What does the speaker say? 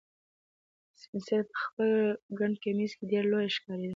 سپین سرې په خپل ګڼ کمیس کې ډېره لویه ښکارېده.